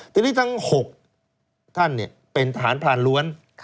ทีนี้ทั้ง๖ท่านเป็นทหารพลานล้วน